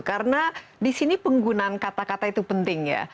karena disini penggunaan kata kata itu penting ya